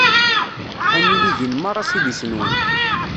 Ad nili din merra s idis-nwen.